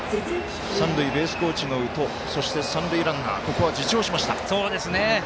三塁ベースコーチの宇都そして、三塁ランナーここは自重しました。